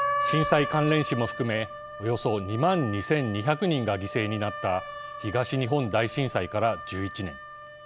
震災関連死も含めおよそ２万２２００人が犠牲になった東日本大震災から１１年。